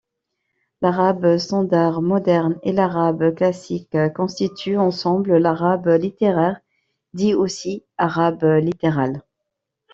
L'arabe standard moderne et l'arabe classique constituent ensemble l'arabe littéraire, dit aussi arabe littéral.